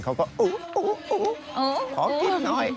เขาก็อู้อู้ของกินอ้อย